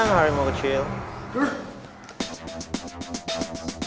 tenang hari kecilmu